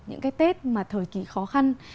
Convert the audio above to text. những cái tết mà thời kỳ khó khăn